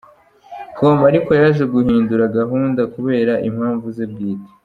com ariko yaje guhindura gahunda kubera impamvu ze bwite.